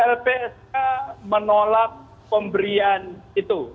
lpsk menolak pemberian itu